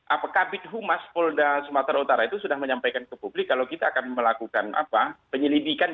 apa kabin humas polda sumatera utara itu sudah menyampaikan ke publik kalau kita akan melakukan apa penyelidikan begitu lah terhadap informasi